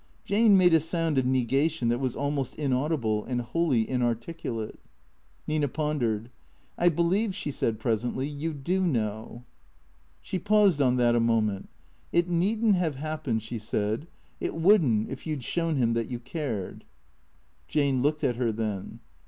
Jane made a sound of negation that was almost inaudible, and wholly inarticulate. Nina pondered. " I believe," she said presently, " you do know." She paused on that a moment. " It need n't have hap pened," she said. " It would n't if you 'd shown him that you cared." Jane looked at her then.